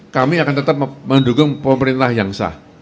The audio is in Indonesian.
kami akan tetap mendukung pemerintah yang sah